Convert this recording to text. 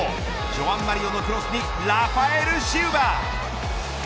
ジョアン・マリオのクロスにラファエル・シウバ。